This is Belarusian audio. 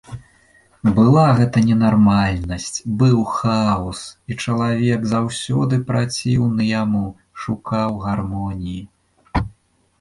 Была гэта ненармальнасць, быў хаос, і чалавек, заўсёды праціўны яму, шукаў гармоніі.